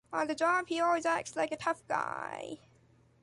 On the job, he always acts like a tough guy.